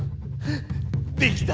できた！